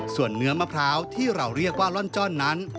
ส่วนเนื้อมะพร้าวที่เราเรียกว่าล่อนจ้อนนั้น